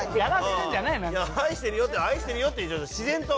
愛してるよ、愛してるよって自然と。